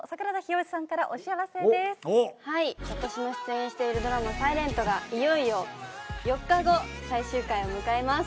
はい私の出演しているドラマ『ｓｉｌｅｎｔ』がいよいよ４日後最終回を迎えます。